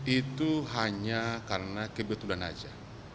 itu hanya karena kebetulan saja